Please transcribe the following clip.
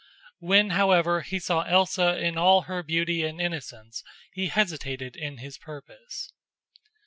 When, however, he saw Elsa in all her beauty and innocence he hesitated in his purpose.